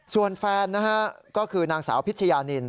ส่วนแฟนนะฮะก็คือนางสาวพิชยานิน